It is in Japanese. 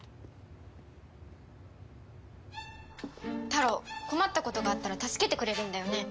タロウ困ったことがあったら助けてくれるんだよね？